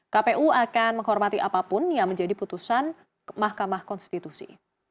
kpu akan menghormati apapun yang menjadi putusan mahkamah konstitusi